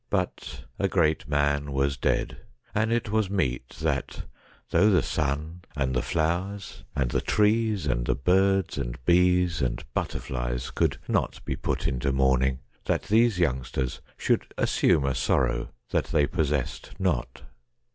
But a great man was dead, and it was meet that, though the sun, and the flowers, and the trees, and the birds, and bees, and butterflies could not be put into mourning, that these youngsters should assume a sorrow that they possessed not.